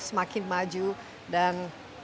semakin maju dan